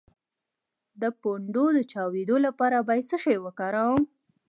د پوندو د چاودیدو لپاره باید څه شی وکاروم؟